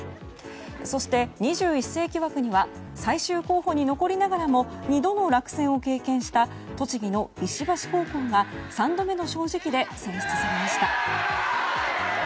そして、２１世紀枠には最終候補に残りながらも２度の落選を経験した栃木の石橋高校が３度目の正直で選出されました。